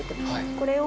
これを。